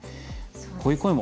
こういう声も。